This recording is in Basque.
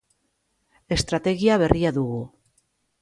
Estrategia berria dugu.